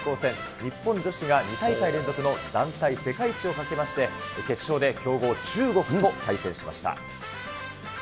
日本女子が２大会連続の団体世界一をかけまして、決勝で強豪、中国と対戦しました。